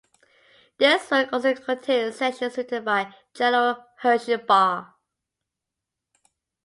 This work also contains sections written by General Hershy Bar.